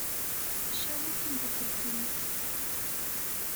Icaweṛ tameddakelt-nnes.